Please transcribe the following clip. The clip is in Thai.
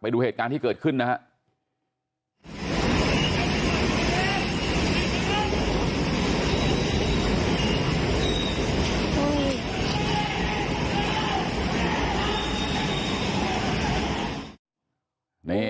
ไปดูเหตุการณ์ที่เกิดขึ้นนะครับ